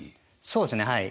そうですねはい。